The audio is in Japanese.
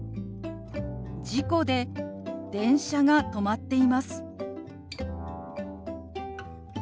「事故で電車が止まっています」。